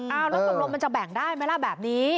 แล้วตรงรวมมันจะแบ่งได้ไหมแบบนี้